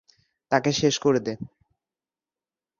তাকে শেষ করে দে।